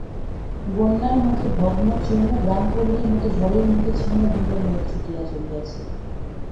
বন্যার মুখে ভগ্ন চূর্ণ গ্রামপল্লীর মতো ঝড়ের মুখে ছিন্নভিন্ন মেঘ ছুটিয়া চলিয়াছে।